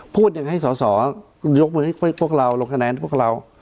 พูดอย่างให้สอสอคุณยกมือให้พวกเราลงคะแนนพวกเรา